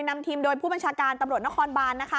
นำทีมโดยผู้บัญชาการตำรวจนครบานนะคะ